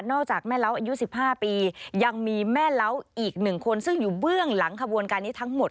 จากแม่เล้าอายุ๑๕ปียังมีแม่เล้าอีก๑คนซึ่งอยู่เบื้องหลังขบวนการนี้ทั้งหมด